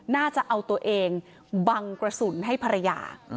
น่าจะเอาตัวเองบังกระสุนให้ภรรยา